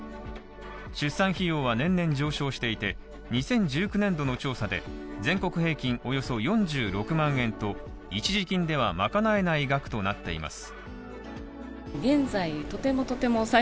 出産費用は年々上昇していて、２０１９年度の調査で、全国平均およそ４６万円と、一時金では賄えない額となっています。